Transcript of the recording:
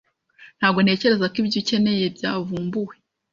Ntabwo ntekereza ko ibyo ukeneye byavumbuwe.